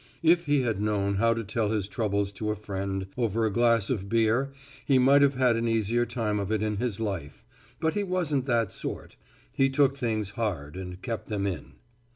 If he had known how to tell his troubles to a friend over a glass of beer he might have had an easier time of it in his life. But he wasn't that sort. He took things hard and kept them in.